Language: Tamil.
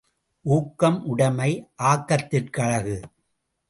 ஊக்கம் உடைமை ஆக்கத்திற்கு அழகு.